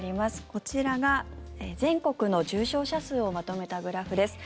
こちらが全国の重症者数をまとめたグラフです。